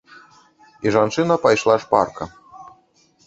І жанчына пайшла шпарка.